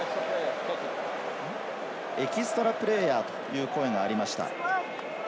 エキストラプレーヤーという声がありました。